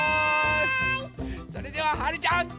それでははるちゃんどうぞ！